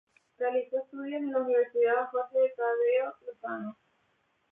Realizó estudios en la Universidad Jorge Tadeo Lozano.